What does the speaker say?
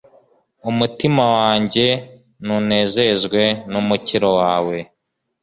umutima wanjye nunezezwe n'umukiro wawe